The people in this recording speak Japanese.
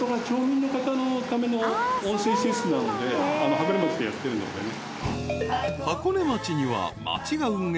箱根町でやってるのでね。